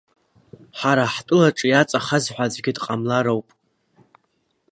Ҳара ҳтәылаҿы иаҵахаз ҳәа аӡгьы дҟамлароуп.